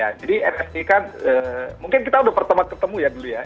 jadi nft kan mungkin kita sudah pertama ketemu ya dulu ya